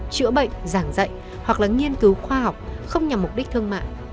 chữa bệnh giảng dạy hoặc nghiên cứu khoa học không nhằm mục đích thương mạng